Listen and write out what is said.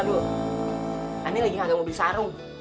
aneh lagi ga mau beli sarung